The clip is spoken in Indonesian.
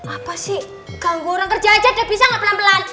apa sih ganggu orang kerja aja udah bisa nggak pelan pelan